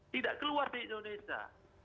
tidak keluar dari indonesia